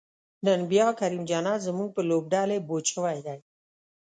نن بیا کریم جنت زمونږ په لوبډلی بوج شوی دی